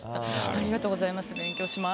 ありがとうございます。